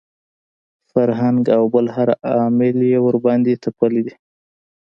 فرهنګ او بل هر عامل یې ورباندې تپلي دي.